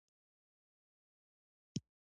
په هسپانیا کې ورته لوبه کورتس پر زیان پای ته ورسېده.